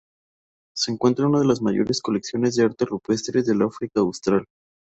Se encuentran una de las mayores colecciones de arte rupestre del África austral.